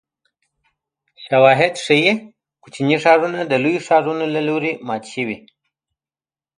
شواهد ښيي کوچني ښارونه د لویو ښارونو له لوري مات شوي